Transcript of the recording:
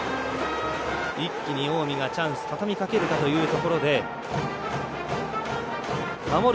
一気に近江がチャンスをたたみかけるかというところで守る